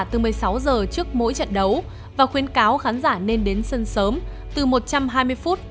từ một mươi sáu giờ trước mỗi trận đấu và khuyến cáo khán giả nên đến sân sớm từ một trăm hai mươi phút